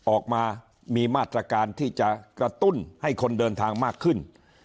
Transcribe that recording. ออกมามีมาตรการที่จะกระตุ้นให้คนเดินทางมากขึ้น